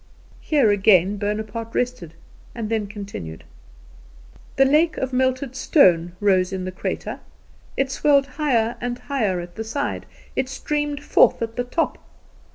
Here again Bonaparte rested, and then continued: "The lake of melted stone rose in the crater, it swelled higher and higher at the side, it streamed forth at the top.